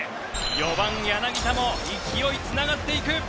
４番、柳田も勢いつながっていく！